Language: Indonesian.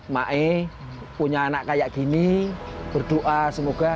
mak saya punya anak seperti ini berdoa semoga